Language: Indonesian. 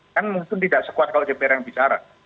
kan mungkin tidak sekuat kalau dpr yang bicara